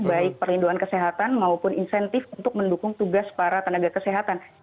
baik perlindungan kesehatan maupun insentif untuk mendukung tugas para tenaga kesehatan